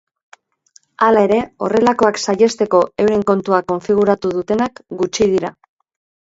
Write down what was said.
Hala ere, horrelakoak sahiesteko euren kontua konfiguratu dutenak gutxi dira.